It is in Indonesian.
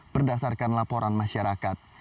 berdasarkan laporan masyarakat